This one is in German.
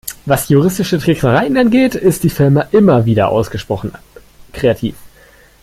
Was juristische Tricksereien angeht, ist die Firma immer wieder ausgesprochen kreativ.